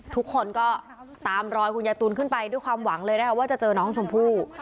ทุกคนก็ตามรอยคุณยายตูนขึ้นไปด้วยความหวังเลยนะคะว่าจะเจอน้องชมพู่